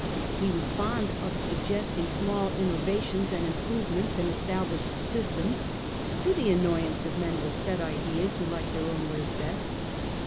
He was fond of suggesting small innovations and im provements in established systems, to the annoyance of men with set ideas, who liked their own ways best.